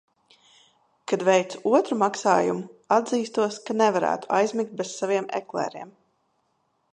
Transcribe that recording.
Kad veicu otru maksājumu, atzīstos, ka nevarētu aizmigt bez saviem eklēriem.